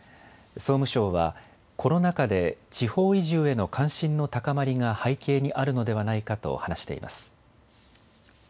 総務省はコロナ禍で地方移住への関心の高まりが背景にあるのではないかと話しています。